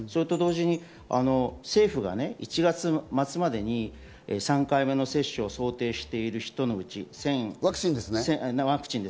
同時に政府が１月末までに３回目の接種を想定している人のうち、ワクチンです。